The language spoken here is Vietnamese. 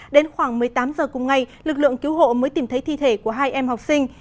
đến khoảng một mươi tám giờ cùng ngày lực lượng cứu hộ mới tìm thấy thi thể của hai em học sinh